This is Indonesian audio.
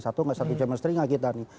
satu gak satu chemistry gak kita nih